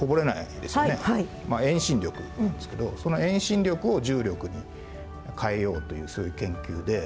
遠心力なんですけどその遠心力を重力に変えようというそういう研究で。